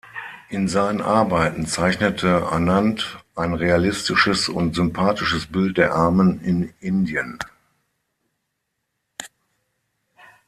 In seinen Arbeiten zeichnete Anand ein realistisches und sympathisches Bild der Armen in Indien.